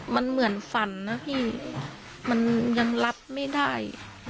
มันเหมือนฝันนะพี่มันยังรับไม่ได้